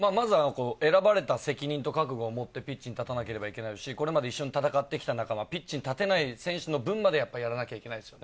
選ばれた責任と覚悟を持ってピッチに立たなければいけないし、これまで一緒に戦ってきた仲間、ピッチに立てない選手の分も頑張らなきゃいけない。